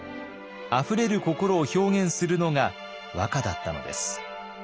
あふれる心を表現するのが和歌だったのです。